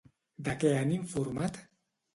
De què han informat?